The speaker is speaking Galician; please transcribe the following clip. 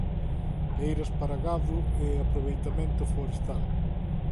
Leiras para gando e aproveitamento forestal.